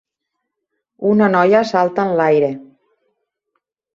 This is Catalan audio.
Una noia salta enlaire.